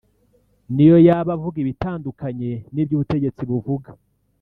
n’iyo yaba avuga ibitandukanye n’ibyo ubutegetsi buvuga